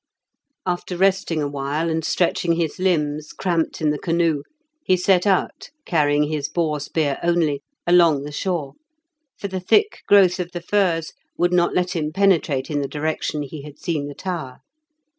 After resting awhile and stretching his limbs, cramped in the canoe, he set out (carrying his boar spear only) along the shore, for the thick growth of the firs would not let him penetrate in the direction he had seen the tower.